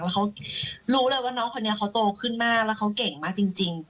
แล้วเขารู้เลยว่าน้องคนนี้เขาโตขึ้นมากแล้วเขาเก่งมากจริง